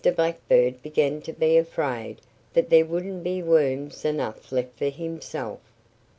Blackbird began to be afraid that there wouldn't be worms enough left for himself.